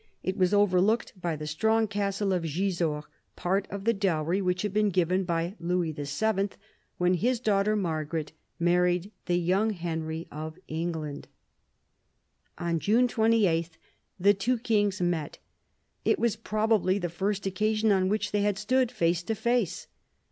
It was overlooked by the strong castle of Gisors, part of the dowry which had been given by Louis VII. when his daughter Margaret married the young Henry of England. On June 28 the two kings met. It was probably the first occasion on which they had stood face to face.